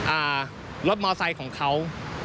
อ่ารถมอเตอร์ไซค์ของเขา